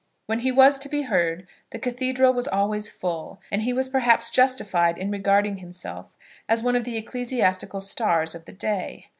When he was to be heard the cathedral was always full, and he was perhaps justified in regarding himself as one of the ecclesiastical stars of the day.